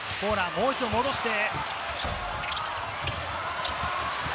もう一度戻して。